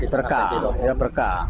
berkah ya berkah